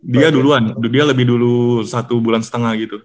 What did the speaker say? dia duluan dia lebih dulu satu bulan setengah gitu